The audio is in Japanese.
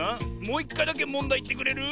もういっかいだけもんだいいってくれる？